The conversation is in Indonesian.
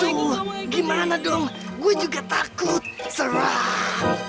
waduh gimana dong gue juga takut seram